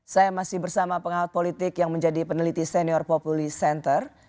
saya masih bersama pengawat politik yang menjadi peneliti senior populi center